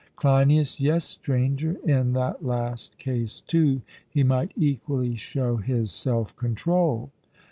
CLEINIAS: Yes, Stranger, in that last case, too, he might equally show his self control.